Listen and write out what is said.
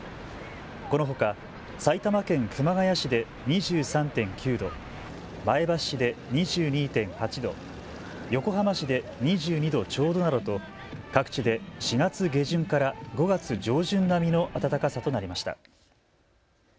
このほか埼玉県熊谷市で２３．９度、前橋市で２２．８度、横浜市で２２度ちょうどなどと各地で４月下旬から５月上旬並みの暖かさとなりました。